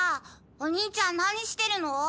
お兄ちゃん何してるの？